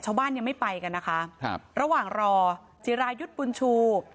ยังไม่ไปกันนะคะครับระหว่างรอจิรายุทธ์บุญชู